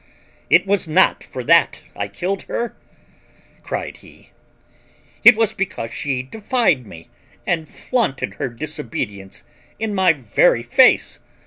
"It was not for that I killed her!" cried he. "It was because she defied me and flaunted her disobedience in my very face.